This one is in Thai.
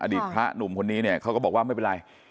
อดีตพระหนุ่มคนนี้เนี่ยเขาก็บอกว่าไม่เป็นไร